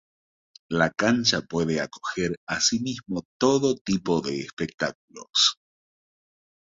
La cancha puede acoger asimismo todo tipo de espectáculos.